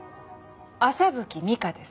麻吹美華です。